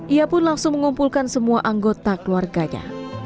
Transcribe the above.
ia pun langsung mengumpulkan semua anggota keluarganya